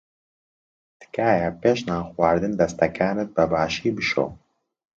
تکایە پێش نان خواردن دەستەکانت بەباشی بشۆ.